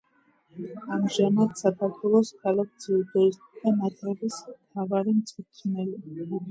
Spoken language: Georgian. ამჟამად, საქართველოს ქალ ძიუდოისტთა ნაკრების მთავარი მწვრთნელი.